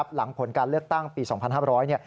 หลังผลการเลือกตั้งปี๒๕๐๐